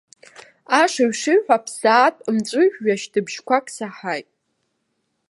Ашыҩ-шыҩҳәа ԥсаатә мҵәыжәҩа шьҭыбжьқәак саҳаит.